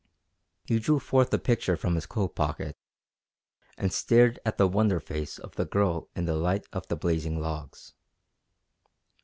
He drew forth the picture from his coat pocket and stared at the wonder face of the Girl in the light of the blazing logs.